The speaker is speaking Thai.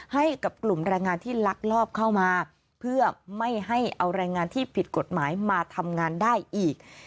ให้กับกลุ่มแรงงานที่ลักลอบเข้ามาเพื่อไม่ให้เอาแรงงานที่ผิดกฎหมายมาทำงานได้อีก